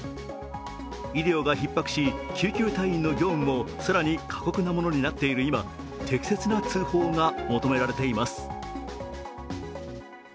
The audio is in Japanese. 医療がひっ迫し、救急隊員の業務も更に過酷なものになっている今、適切な通報が求められています。